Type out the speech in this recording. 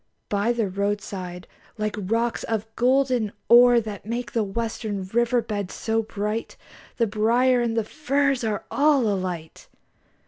By the roadside, like rocks of golden ore That make the western river beds so bright, The briar and the furze are all alight!